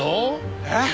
えっ？